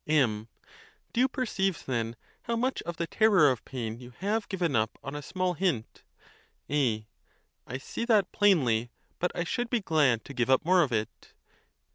M. Do you perceive, then, how much of the terror of pain you have given up on a small hint? . A. I see that plainly; but I should be glad to give up more of it.